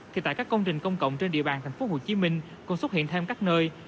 thì tại các công trình công cộng trên địa bàn thành phố hồ chí minh còn xuất hiện thêm các nơi